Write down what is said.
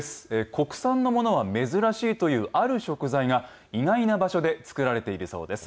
国産のものは珍しいというある食材が、意外な場所でつくられているそうです。